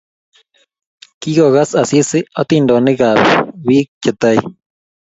Kikakokas Asisi hatindonikab bik che tai